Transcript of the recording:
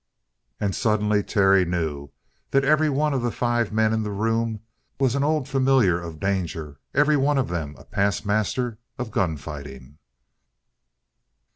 And suddenly Terry knew that every one of the five men in the room was an old familiar of danger, every one of them a past master of gun fighting!